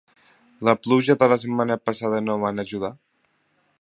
La pluja de la setmana passada no van ajudar?